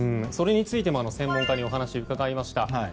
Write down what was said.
それについても専門家にお話を伺いました。